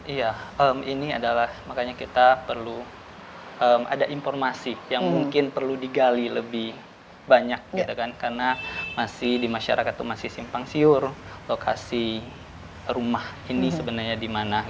iya ini adalah makanya kita perlu ada informasi yang mungkin perlu digali lebih banyak karena masih di masyarakat itu masih simpang siur lokasi rumah ini sebenarnya di mana